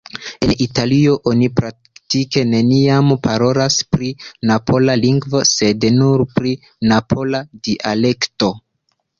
En Italio, oni praktike neniam parolas pri napola "lingvo", sed nur pri napola "dialekto".